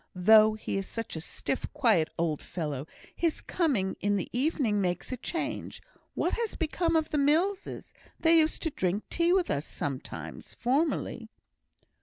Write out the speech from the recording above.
Though he is such a stiff, quiet old fellow, his coming in in the evenings makes a change. What has become of the Millses? They used to drink tea with us sometimes, formerly."